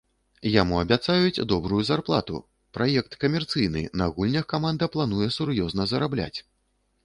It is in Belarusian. Яму абяцаюць добрую зарплату: праект камерцыйны, на гульнях каманда плануе сур’ёзна зарабляць.